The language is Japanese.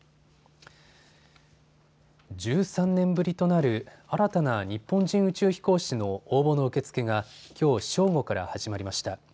１３年ぶりとなる新たな日本人宇宙飛行士の応募の受け付けがきょう正午から始まりました。